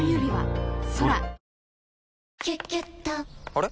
あれ？